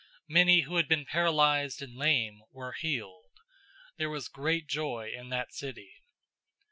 Many who had been paralyzed and lame were healed. 008:008 There was great joy in that city.